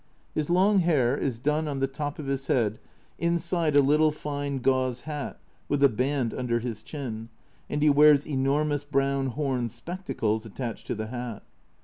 His long hair is done on the top of his head inside a little fine gauze hat, with a band under his chin, and he wears enormous brown horn spectacles attached to the hat.